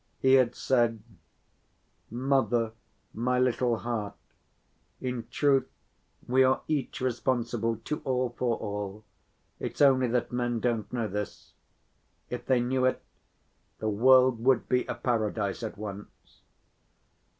He had said, "Mother, my little heart, in truth we are each responsible to all for all, it's only that men don't know this. If they knew it, the world would be a paradise at once."